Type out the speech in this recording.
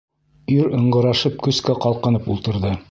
Ир ыңғырашып көскә ҡалҡынып ултырҙы.